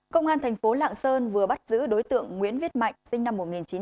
công an thành phố lạng sơn vừa bắt giữ đối tượng nguyễn viết mạnh sinh năm một nghìn chín trăm tám mươi